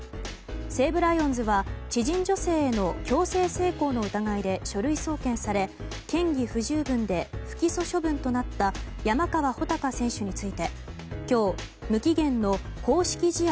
西武ライオンズは知人女性への強制性交の疑いで書類送検され嫌疑不十分で不起訴処分となった山川穂高選手について今日、無期限の公式試合